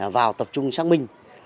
vào tập trung xác minh